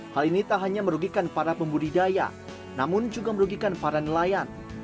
hal ini tak hanya merugikan para pembudidaya namun juga merugikan para nelayan